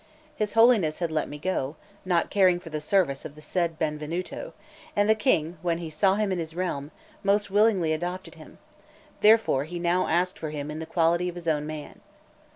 His Holiness had let me go, not caring for the service of the said Benvenuto, and the King, when he saw him in his realm, most willingly adopted him; therefore he now asked for him in the quality of his own man.